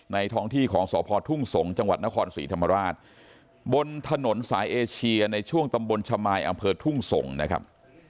ท้องที่ของสพทุ่งสงศ์จังหวัดนครศรีธรรมราชบนถนนสายเอเชียในช่วงตำบลชมายอำเภอทุ่งสงศ์นะครับ